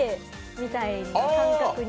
みたいな感覚に。